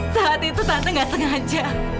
saat itu tante gak sengaja